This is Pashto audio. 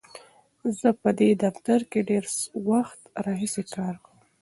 زه په دې دفتر کې له ډېر وخت راهیسې کار کوم.